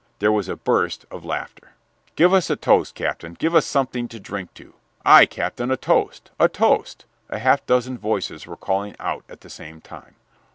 There was a burst of laughter. "Give us a toast, Captain! Give us something to drink to! Aye, Captain, a toast! A toast!" a half dozen voices were calling out at the same time.